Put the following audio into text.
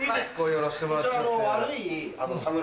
やらしてもらっちゃって。